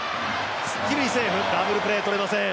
セーフ、ダブルプレー取れません。